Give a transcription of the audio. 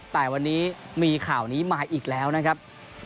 แต่วันนี้มีข่าวนี้มาอีกแล้วนะครับ